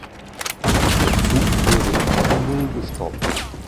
Der Zug wurde im Tunnel gestoppt.